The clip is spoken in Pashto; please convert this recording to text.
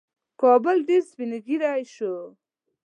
کابل ډېر سپین ږیری شوی